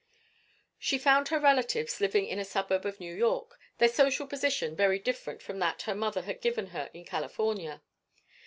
She found her relatives living in a suburb of New York, their social position very different from that her mother had given her in California.